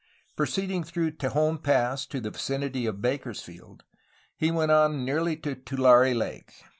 Proceeding through Tejon Pass to the vicinity of Bakersfield, he went on nearly to Tulare Lake.